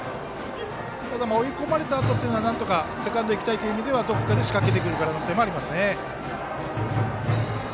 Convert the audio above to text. ただ、追い込まれたあとはなんとかセカンドに行きたいのでどこかで仕掛けてくる可能性もありますね。